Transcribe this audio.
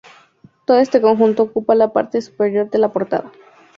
Todo este conjunto ocupa la parte superior de la portada.